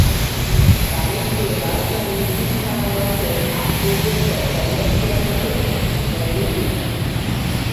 দামেস্কে রাজধানী স্থানান্তরের আগ পর্যন্ত হেজাজ খিলাফতের কেন্দ্র ছিল।